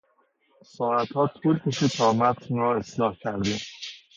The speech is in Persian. ساعتها طول کشید تا متن را اصلاح کردیم.